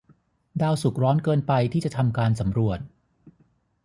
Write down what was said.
ดาวศุกร์ร้อนเกินไปที่จะทำการสำรวจ